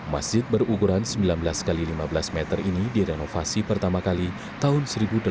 masjid berukuran sembilan belas x lima belas meter ini direnovasi pertama kali tahun seribu delapan ratus delapan puluh